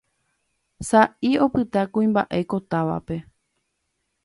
sa'i opyta kuimba'e ko távape